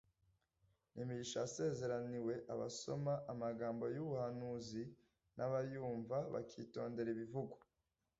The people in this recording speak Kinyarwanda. n'imigisha yasezeraniwe abasoma amagambo y'ubuhanuzi n'abayumva bakitondera ibivugwa